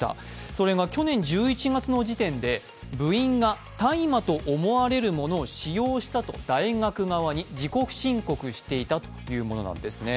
それが去年１１月の時点で部員が大麻と思われるものを使用したと大学側に自己申告していたというものなんですね。